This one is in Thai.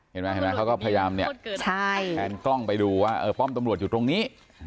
เห็นไหมเขาก็พยายามเนี่ยใช่แทนกล้องไปดูว่าเออป้อมตำรวจอยู่ตรงนี้